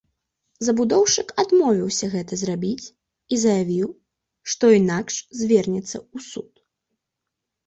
Забудоўшчык адмовіўся гэта зрабіць і заявіў, што інакш звернецца ў суд.